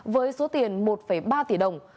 với số tiền một ba tỷ đồng